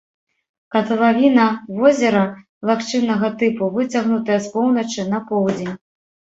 Катлавіна возера лагчыннага тыпу, выцягнутая з поўначы на поўдзень.